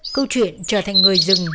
câu chuyện trở thành người rừng